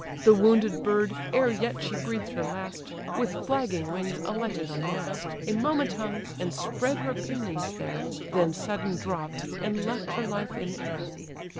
The wounded bird, ere yet she breathed her last, With flagging wings alighted on the mast, A moment hung, and spread her pinions there, Then sudden dropp'd, and left her life in air.